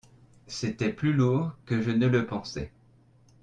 C'était plus lourd que je ne le pensais.